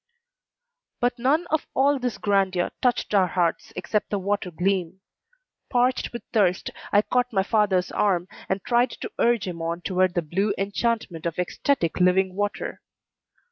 But none of all this grandeur touched our hearts except the water gleam. Parched with thirst, I caught my father's arm and tried to urge him on toward the blue enchantment of ecstatic living water.